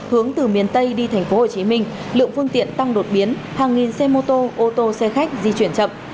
hướng từ miền tây đi thành phố hồ chí minh lượng phương tiện tăng đột biến hàng nghìn xe mô tô ô tô xe khách di chuyển chậm